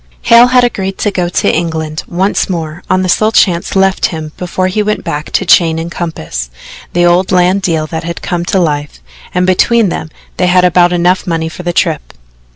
Hale had agreed to go to England once more on the sole chance left him before he went back to chain and compass the old land deal that had come to life and between them they had about enough money for the trip.